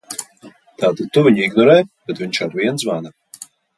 Tātad tu viņu ignorē, bet viņš arvien zvana?